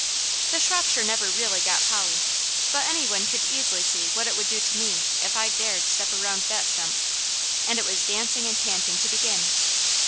The Shropshire never really got Polly, but any one could easily see what it would do to me if I dared step around that stump, and it was dancing and panting to begin.